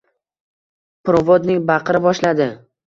Provodnik baqira boshladi: